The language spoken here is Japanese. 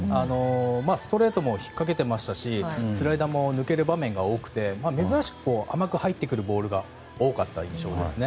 ストレートも引っかけてましたしスライダーも抜ける場面が多くて珍しく、甘く入ってくるボールが多かった印象ですね。